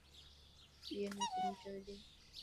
اي نا چمچو ڏي.